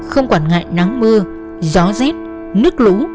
không quản ngại nắng mưa gió rét nước lũ